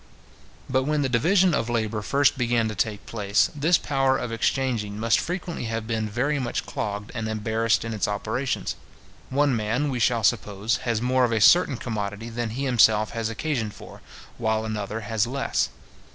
But when the division of labour first began to take place, this power of exchanging must frequently have been very much clogged and embarrassed in its operations. One man, we shall suppose, has more of a certain commodity than he himself has occasion for, while another has less.